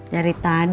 dari tadi dong